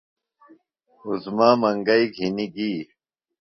عظمیٰ منگئی گِھنیۡ گی۔